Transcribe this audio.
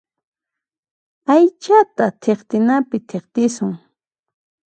Aychata thiqtinapi thiqtisun.